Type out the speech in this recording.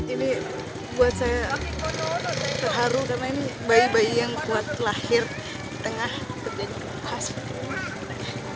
ini buat saya terharu karena ini bayi bayi yang kuat lahir tengah terjadi khas